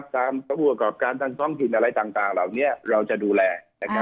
ตามสมุนกราบการตั้งช่องทีมอะไรต่างเหล่านี้เราจะดูแล